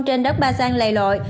trên đất ba giang lầy lội